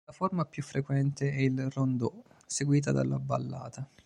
La forma più frequente è il "rondeau", seguita dalla ballata.